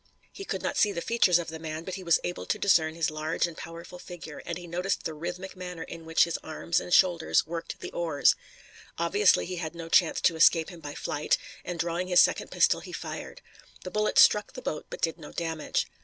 He could not see the features of the man, but he was able to discern his large and powerful figure, and he noticed the rhythmic manner in which his arms and shoulders worked at the oars. Obviously he had no chance to escape him by flight, and drawing his second pistol he fired. The bullet struck the boat but did no damage.